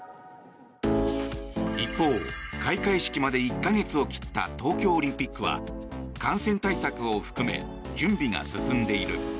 一方、開会式まで１か月を切った東京オリンピックは感染対策を含め準備が進んでいる。